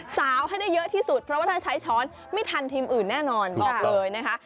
ให้ได้เยอะที่สุดเพราะว่าถ้าใช้ช้อนไม่ทันทีมอื่นแน่นอนบอกเลยนะคะ